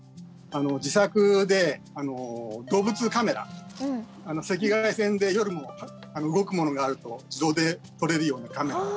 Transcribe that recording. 自作で動物カメラ赤外線で夜も動くものがあると自動で撮れるようなカメラを。